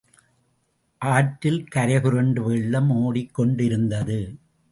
ஆற்றில் கரைபுரண்டு வெள்ளம் ஓடிக்கொண்டிருந்தது.